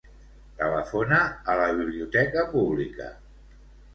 Telefona a la biblioteca pública.